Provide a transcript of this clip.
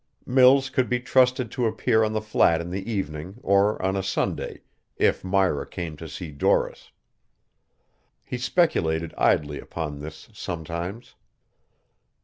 Mills could be trusted to appear on the flat in the evening or on a Sunday, if Myra came to see Doris. He speculated idly upon this sometimes.